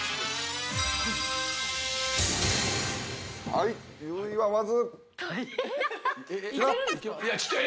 はい１０位はまず。